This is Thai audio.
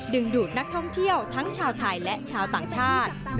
ดูดนักท่องเที่ยวทั้งชาวไทยและชาวต่างชาติ